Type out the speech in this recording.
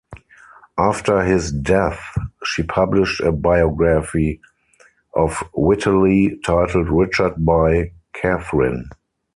After his death, she published a biography of Whiteley titled Richard by Kathryn.